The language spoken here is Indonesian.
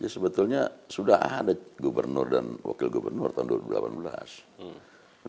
sebetulnya sudah ada gubernur dan wakil gubernur tahun dua ribu delapan belas